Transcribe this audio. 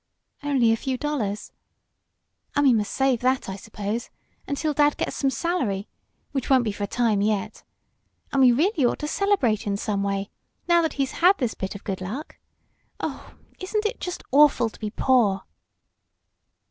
"Only a few dollars." "And we must save that, I suppose, until dad gets some salary, which won't be for a time yet. And we really ought to celebrate in some way, now that he's had this bit of good luck! Oh, isn't it just awful to be poor!"